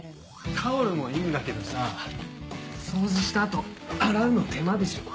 タオルもいいんだけどさ掃除した後洗うの手間でしょ。